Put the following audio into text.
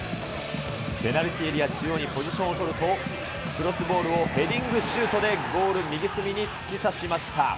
ペナルティーエリア中央にポジションを取ると、クロスボールをヘディングシュートでゴール右隅に突き刺しました。